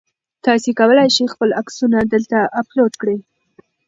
تاسي کولای شئ خپل عکسونه دلته اپلوډ کړئ.